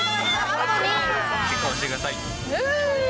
結婚してください。